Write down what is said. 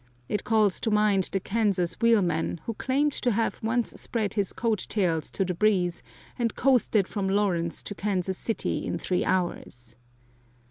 It calls to mind the Kansas wheelman, who claimed to have once spread his coat tails to the breeze and coasted from Lawrence to Kansas City in three hours.